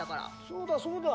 そうだそうだ！